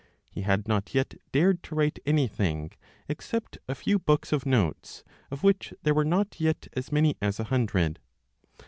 He had not yet dared to write anything, except a few books of notes, of which there were not yet as many as a hundred.